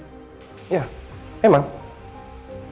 mereka berdua ini sangat pintar